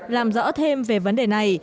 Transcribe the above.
làm rõ thêm về vấn đề này